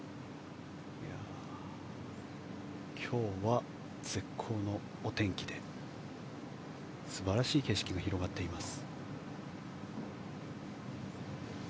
今日は絶好のお天気で素晴らしい景色が広がっています。